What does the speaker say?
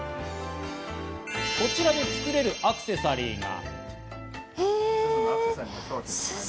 こちらでつくれるアクセサリーが。